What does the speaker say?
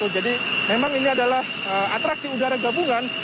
jadi memang ini adalah atrasi udara gabungan